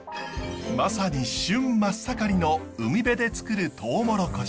まさに旬真っ盛りの海辺でつくるトウモロコシ。